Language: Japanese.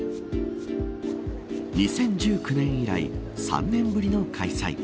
２０１９年以来３年ぶりの開催。